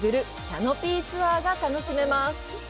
キャノピーツアーが楽しめます！